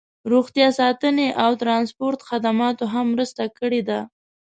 روغتیا ساتنې او ټرانسپورټ خدماتو هم مرسته کړې ده